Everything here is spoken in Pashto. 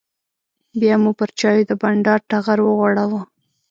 بیا مو پر چایو د بانډار ټغر وغوړاوه.